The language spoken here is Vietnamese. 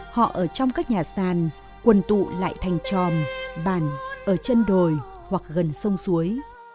họ ở trong các nhà sàn quần tụ lại thành tròm bàn ở chân đồi hoặc gần sông suối